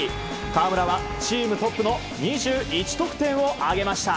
河村はチームトップの２１得点を挙げました。